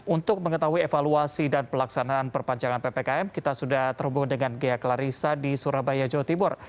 untuk mengetahui evaluasi dan pelaksanaan perpanjangan ppkm kita sudah terhubung dengan ghea klarissa di surabaya jawa timur